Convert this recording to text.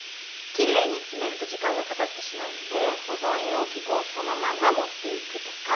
奇麗に詰めると時間がかかってしまうので保存容器そのまま持っていくとか。